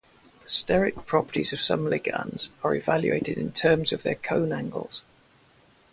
The steric properties of some ligands are evaluated in terms of their cone angles.